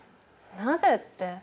なぜって。